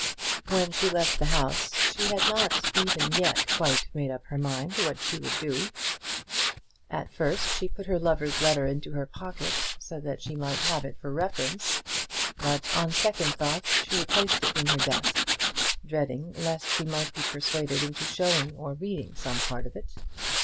When she left the house she had not even yet quite made up her mind what she would do. At first she put her lover's letter into her pocket, so that she might have it for reference; but, on second thoughts, she replaced it in her desk, dreading lest she might be persuaded into showing or reading some part of it.